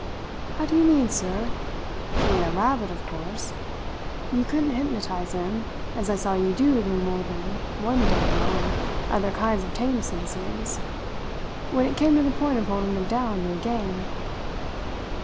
"How do you mean, sir? He ain't a rabbit, of course. You couldn't hypnotize him, as I saw you do to more than one Dago, and other kinds of tame citizens, when it came to the point of holding them down to a game."